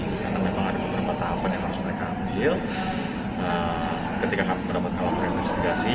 karena memang ada beberapa tahapan yang harus mereka ambil ketika akan mendapatkan laporan investigasi